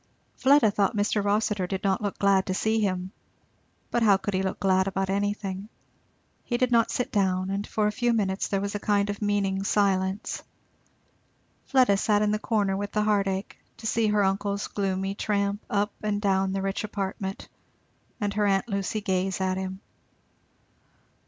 Fleda thought Mr. Rossitur did not look glad to see him. But how could he look glad about anything? He did not sit down, and for a few minutes there was a kind of meaning silence. Fleda sat in the corner with the heartache, to see her uncle's gloomy tramp up and down the rich apartment, and her aunt Lucy gaze at him.